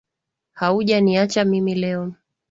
Haujaniacha mimi leo.